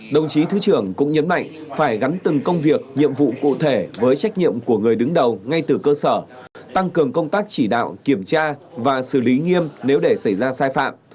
đồng chí thứ trưởng cũng nhấn mạnh phải gắn từng công việc nhiệm vụ cụ thể với trách nhiệm của người đứng đầu ngay từ cơ sở tăng cường công tác chỉ đạo kiểm tra và xử lý nghiêm nếu để xảy ra sai phạm